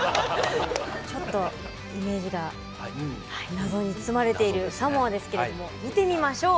ちょっとイメージが謎に包まれているサモアですけれども見てみましょう。